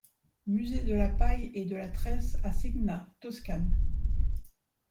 Musée de la paille et de la tresse à Signa, Toscane.